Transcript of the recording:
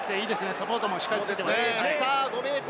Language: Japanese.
サポートもしっかりついています。